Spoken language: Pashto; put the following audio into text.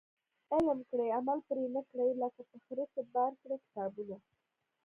علم کړي عمل پري نه کړي ، لکه په خره چي بار کړي کتابونه